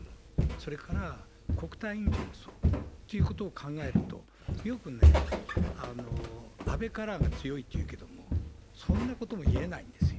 それから、国体委員長もそう。ということを考えると、よく、安倍カラーが強いっていうけれども、そんなこともいえないんですよ。